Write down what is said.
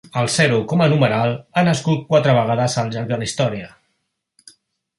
El zero com a numeral ha nascut quatre vegades al llarg de la història.